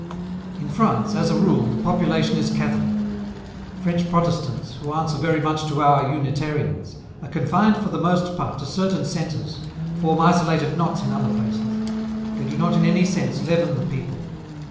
In France, as a rule, the population is Catholic ; French Protestants, who answer very much to our Unitarians, are confined for the most part to certain centres, form isolated knots in other places ; they do not in any sense 156im7 vi translator's note. leaven the people.